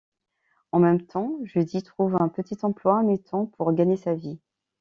En même temps, Judy trouve un petit emploi à mi-temps pour gagner sa vie.